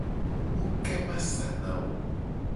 Nuke ma sa na wo ?